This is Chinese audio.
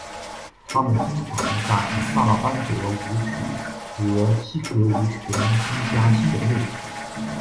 他们经常在萨拉班德舞曲和基格舞曲中增加新的内容。